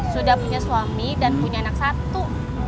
sudah punya suami dan punya anak satu